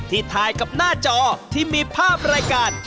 ถ่ายกับหน้าจอที่มีภาพรายการ